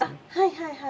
はいはい。